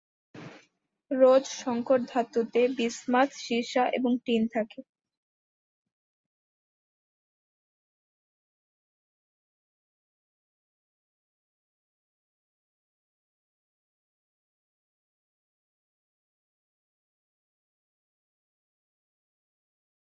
রোজ সংকর ধাতুতে বিসমাথ, সীসা এবং টিন থাকে।